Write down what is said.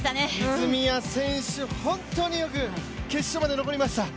泉谷選手、本当によく決勝に残りました、